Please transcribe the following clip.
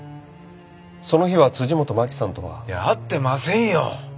その日は辻本マキさんとは。いや会ってませんよ。